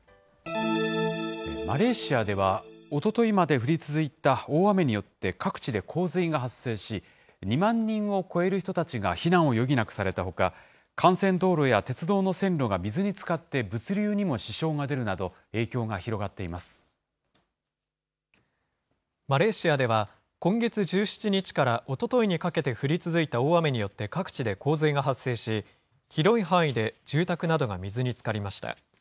マレーシアでは、おとといまで降り続いた大雨によって、各地で洪水が発生し、２万人を超える人たちが避難を余儀なくされたほか、幹線道路や鉄道の線路が水につかって物流にも支障が出るなど、マレーシアでは今月１７日からおとといにかけて降り続いた大雨によって各地で洪水が発生し、広い範囲で住宅などが水につかりました。